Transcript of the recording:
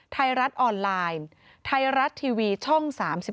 ไทยรัฐออนไลน์ไทยรัฐทีวีช่อง๓๒